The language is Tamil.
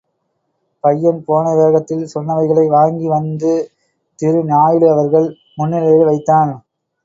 பையன் போன வேகத்தில் சொன்னவைகளை வாங்கி வந்து திரு நாயுடு அவர்கள் முன்னிலையில் வைத்தான்.